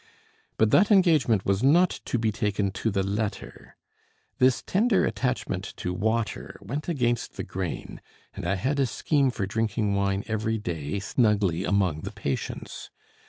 But that engagement was not to be taken to the letter. This tender attachment to water went against the grain, and I had a scheme for drinking wine every day snugly among the patients.